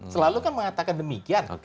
selalu kan mengatakan demikian